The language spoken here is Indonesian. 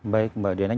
baik mbak diana